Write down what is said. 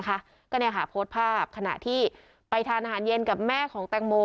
นะคะก็เนี่ยค่ะโพสต์ภาพขณะที่ไปทานอาหารเย็นกับแม่ของแตงโม